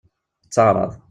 Itteɛṛaḍ.